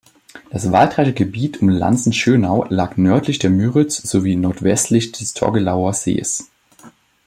Das waldreiche Gebiet um Lansen-Schönau lag nördlich der Müritz sowie nordwestlich des Torgelower Sees.